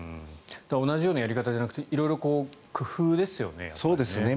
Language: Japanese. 同じようなやり方じゃなくて色々な工夫ですよね。